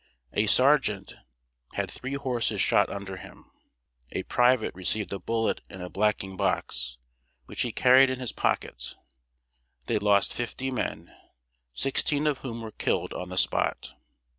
A sergeant had three horses shot under him. A private received a bullet in a blacking box, which he carried in his pocket. They lost fifty men, sixteen of whom were killed on the spot.